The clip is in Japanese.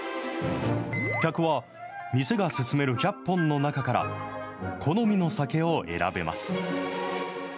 客は店が薦める１００本の中から、好みの酒を選べます。